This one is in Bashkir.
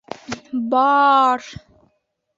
— Ба-а-ар.